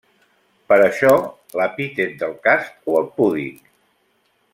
Per això l'epítet d'El Cast o el Púdic.